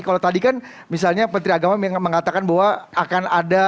kalau tadi kan misalnya menteri agama mengatakan bahwa akan ada